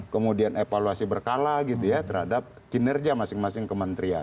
kemudian evaluasi berkala gitu ya terhadap kinerja masing masing kementerian